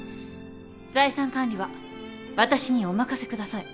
財産管理は私にお任せください。